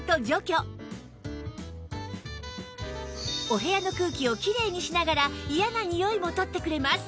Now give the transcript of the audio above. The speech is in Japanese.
お部屋の空気をきれいにしながら嫌なニオイも取ってくれます